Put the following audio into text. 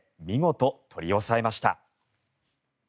見事、取り押さえました。